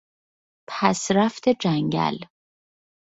پسرفت جنگل